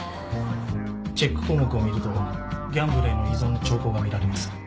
チェック項目を見るとギャンブルへの依存の兆候がみられます